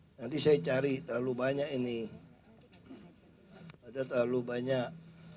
hai nanti saya cari terlalu banyak ini ada terlalu banyak